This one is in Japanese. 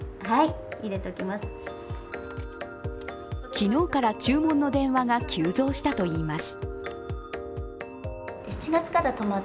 昨日から注文の電話が急増したといいます。